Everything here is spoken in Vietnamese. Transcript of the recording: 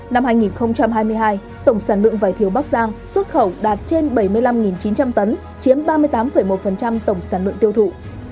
năm hai nghìn hai mươi hai tổng sản lượng vải thiều bắc giang xuất khẩu đạt trên bảy mươi năm chín trăm linh tấn chiếm ba mươi tám một tổng sản lượng tiêu thụ